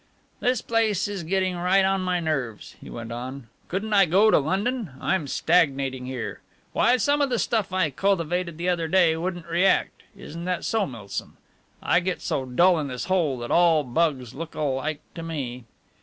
"This place is getting right on my nerves," he went on, "couldn't I go to London? I'm stagnating here. Why, some of the stuff I cultivated the other day wouldn't react. Isn't that so, Milsom? I get so dull in this hole that all bugs look alike to me."